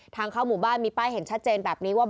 ทางเข้าหมู่บ้านมีป้ายเห็นชัดเจนแบบนี้ว่า